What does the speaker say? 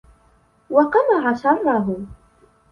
وَقَمَعَ شَرَّهُ